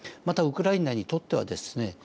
またウクライナにとってはですね